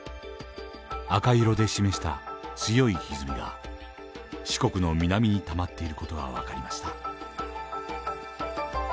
赤色で示した強いひずみが四国の南にたまっている事が分かりました。